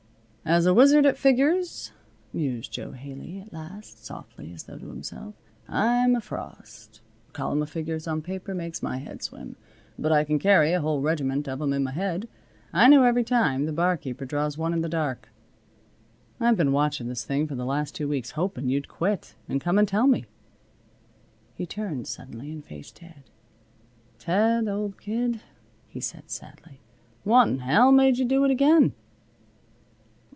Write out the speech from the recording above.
"As a wizard at figures," mused Jo Haley at last, softly as though to himself, "I'm a frost. A column of figures on paper makes my head swim. But I can carry a whole regiment of 'em in my head. I know every time the barkeeper draws one in the dark. I've been watchin' this thing for the last two weeks hopin' you'd quit and come and tell me." He turned suddenly and faced Ted. "Ted, old kid," he said sadly, "what'n'ell made you do it again?"